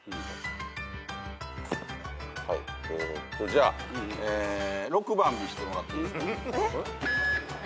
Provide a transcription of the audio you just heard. じゃあ６番見せてもらっていいですか？